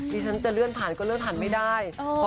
ดิฉันจะเลื่อนผ่านก็เลื่อนผ่านไม่ได้